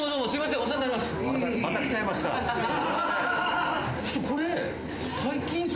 お世話になります！